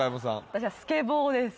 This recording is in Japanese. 私はスケボーです